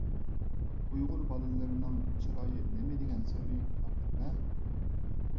ئۇيغۇر بالىلىرىنىڭ چىرايى نېمىدېگەن سەبىي، تاتلىق-ھە!